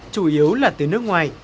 chủ yếu là từ nước ngoài